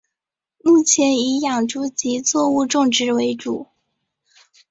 目前以养猪及作物种植为主。